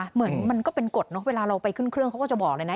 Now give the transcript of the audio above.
เหมือนมันก็เป็นกฎเนอะเวลาเราไปขึ้นเครื่องเขาก็จะบอกเลยนะ